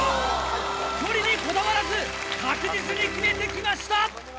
距離にこだわらず確実に決めてきました！